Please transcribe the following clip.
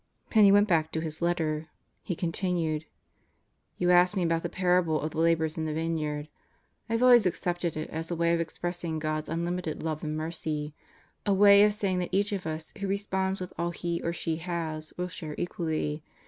Penney went back to his letter. He continued with: You ask me about the parable of the laborers in the vineyard. I have always accepted it as a way of expressing God's unlimited love and mercy; a way of saying that each of us who responds with all he or she has, will share equally.